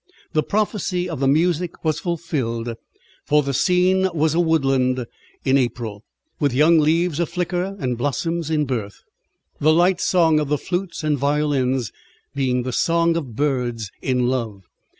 The prophecy of the music was fulfilled, for the scene was a woodland in April, with young leaves a flicker and blossoms in birth, the light song of the flutes and violins being the song of birds in love.